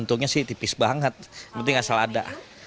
untungnya sih tipis banget penting asal ada